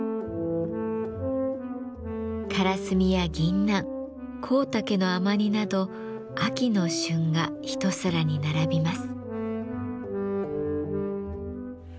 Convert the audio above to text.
からすみやぎんなん香茸の甘煮など秋の旬が一皿に並びます。